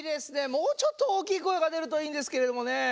もうちょっとおおきいこえがでるといいんですけれどもねえ。